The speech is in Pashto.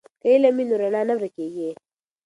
که علم وي نو رڼا نه ورکیږي.